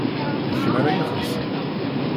D kemm ara ixellṣen?